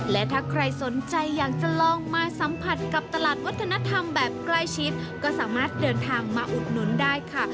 และถ้าใครสนใจอยากจะลองมาสัมผัสกับตลาดวัฒนธรรมแบบใกล้ชิดก็สามารถเดินทางมาอุดหนุนได้ค่ะ